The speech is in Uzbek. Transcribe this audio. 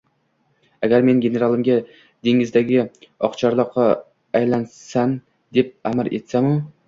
«Agar men generalimga, dengizdagi oqchorloqqa aylanasan, deb amr etsam-u